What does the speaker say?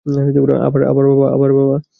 আবার, বাবা!